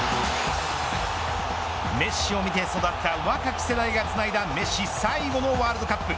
メッシを見て育った若き世代がつないだメッシ最後のワールドカップ。